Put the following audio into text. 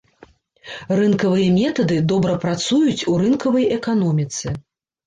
Рынкавыя метады добра працуюць у рынкавай эканоміцы.